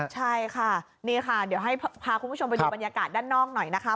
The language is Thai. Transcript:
ใช่ค่ะนี่ค่ะเดี๋ยวให้พาคุณผู้ชมไปดูบรรยากาศด้านนอกหน่อยนะคะ